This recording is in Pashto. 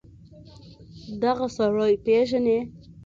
دغه سړى پېژنې.